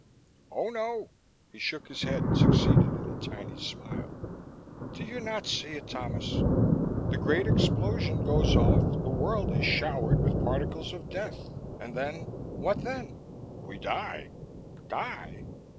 "Oh, no." He shook his head and succeeded in a tiny smile. "Do you not see it, Thomas? The great explosion goes off, the world is showered with particles of death. And then what then?" "We die!" "Die?